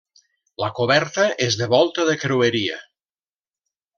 La coberta és de volta de creueria.